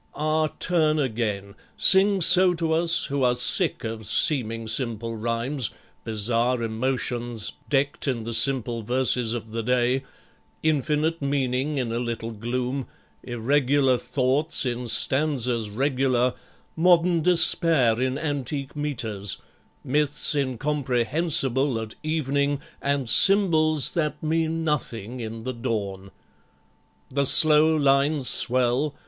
Ah! turn again! Sing so to us, who are sick Of seeming simple rhymes, bizarre emotions, Decked in the simple verses of the day, Infinite meaning in the little gloom, Irregular thoughts in stanzas regular, Modern despair in antique meters, myths Incomprehensible at evening, And symbols that mean nothing in the dawn. The slow lines swell.